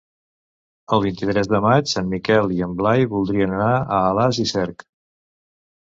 El vint-i-tres de maig en Miquel i en Blai voldrien anar a Alàs i Cerc.